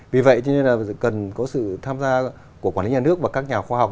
vì vậy cho nên là cần có sự tham gia của quản lý nhà nước và các nhà khoa học